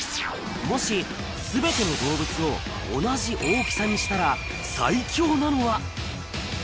もし全ての動物を同じ大きさにしたら最強なのは？